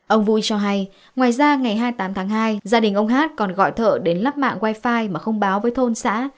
ông vui cho hay ngoài ra ngày hai mươi tám tháng hai gia đình ông hát còn gọi thợ đến lắp mạng wifi mà không báo với thôn xã